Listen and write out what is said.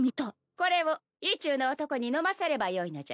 これを意中の男に飲ませればよいのじゃ。